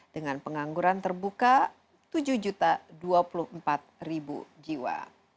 dengan pengangguran terbuka tujuh dua puluh empat jiwa